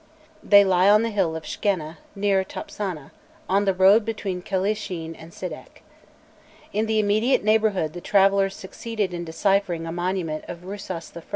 They lie on the hill of Shkenna, near Topsanâ, on the road between Kelishin and Sidek. In the immediate neighbourhood the travellers succeeded in deciphering a monument of Rusas I.